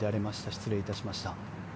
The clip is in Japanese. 失礼いたしました。